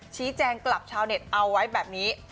ชี้แจงกลับชาวเน็ตเอาไว้แบบนี้